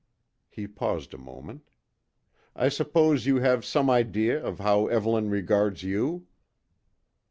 He paused a moment. "I suppose you have some idea of how Evelyn regards you?"